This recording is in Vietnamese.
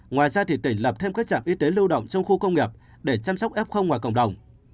ngoài ra thì tỉnh lập thêm các trạm y tế lưu động trong khu công nghiệp để chăm sóc f ngoài cộng đồng